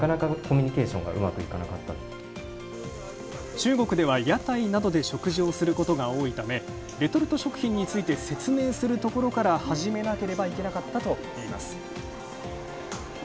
中国では屋台などで食事をすることが多いため、レトルト食品について、説明するところからはじめなければいけなかったといいます。